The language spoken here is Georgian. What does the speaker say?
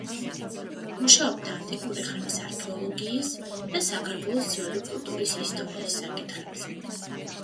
მუშაობდა ანტიკური ხანის არქეოლოგიის და საქართველოს ძველი კულტურის ისტორიის საკითხებზე.